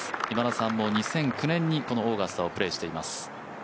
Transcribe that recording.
今田さんも２００９年に、このオーガスタをプレーしています。